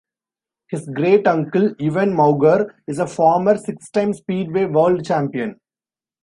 His great-uncle, Ivan Mauger, is a former six time Speedway World Champion.